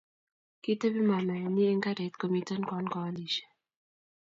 Kitebi mamaenyi eng karit, komiten Kwan koalishe